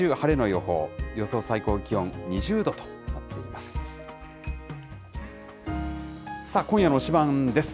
予想最高気温２０度となっています。